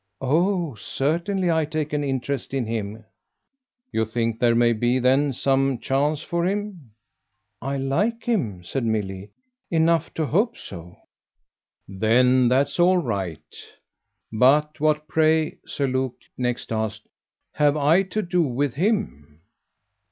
"Oh certainly I take an interest in him!" "You think there may be then some chance for him?" "I like him," said Milly, "enough to hope so." "Then that's all right. But what, pray," Sir Luke next asked, "have I to do with him?"